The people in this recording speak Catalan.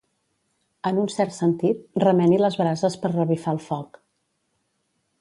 En un cert sentit, remeni les brases per revifar el foc.